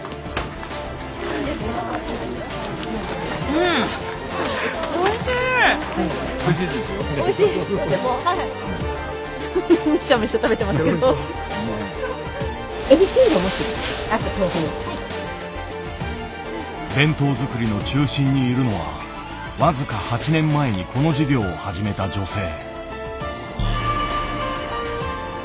うん！弁当作りの中心にいるのは僅か８年前にこの事業を始めた女性。